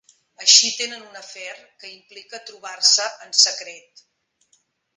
Així tenen un afer que implica trobar-se en secret.